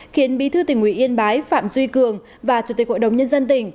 khiến bí thư tỉnh ủy yên bái phạm duy cường và chủ tịch hội đồng nhân dân tỉnh